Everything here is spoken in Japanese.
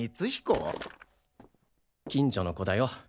近所の子だよ。